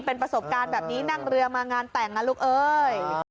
เป็นประสบการณ์แบบนี้นั่งเรือมางานแต่งนะลูกเอ้ย